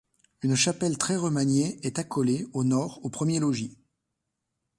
Une chapelle très remaniée est accolée, au nord, au premier logis.